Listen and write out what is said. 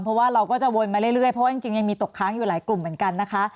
เพราะว่าเราก็จะวนมาเรื่อยเพราะว่าจริงยังมีตกค้างอยู่หลายกลุ่มเหมือนกันนะคะ